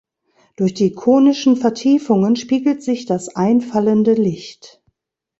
Durch die konischen Vertiefungen spiegelt sich das einfallende Licht.